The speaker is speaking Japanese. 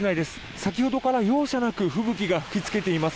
先ほどから容赦なく吹雪が吹き付けています。